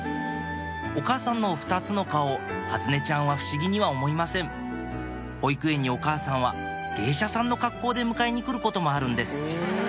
お母さんの２つの顔初音ちゃんは不思議には思いません保育園にお母さんは芸者さんの格好で迎えに来ることもあるんです